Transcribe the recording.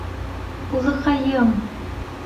Улыҡайым!